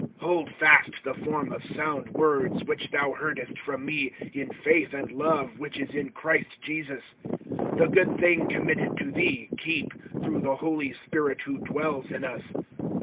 (13)Hold fast the form of sound words, which thou heardest from me, in faith and love which is in Christ Jesus. (14)The good thing committed to thee keep, through the Holy Spirit who dwells in us.